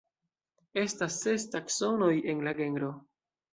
Estas ses taksonoj en la genro.